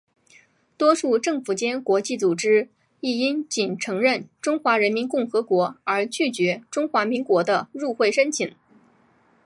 多数政府间国际组织亦因仅承认中华人民共和国而拒绝中华民国的入会申请。